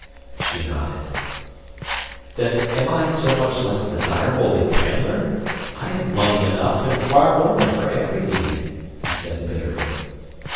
She nodded. "Then am I so much less desirable than Canler? I have money enough, and far more, for every need," he said bitterly.